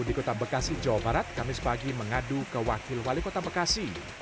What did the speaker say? di kota bekasi jawa barat kamis pagi mengadu ke wakil wali kota bekasi